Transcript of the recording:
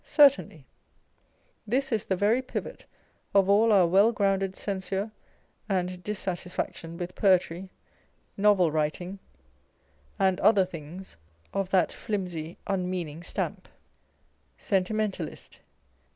Certainly ; this is the very pivot of all our well grounded censure and dissatisfaction with poetry, novel writing, and other things of that flimsy unmeaning stamp. Sentimentalist.